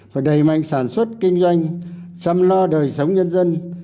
và đầy mạnh sản xuất kinh doanh chăm lo đời sống nhân dân